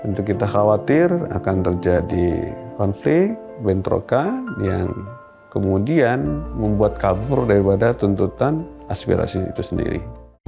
karena nanti ketika itu terjadi kita khawatir akan terjadi konflik bentroka yang kemudian membuat kabur daripada tuntutan aspirasi itu sendiri